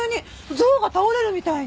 ゾウが倒れるみたいに。